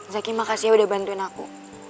zaki makasih ya udah bantuin aku